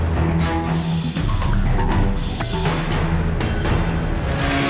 โปรดติดตามตอนต่อไป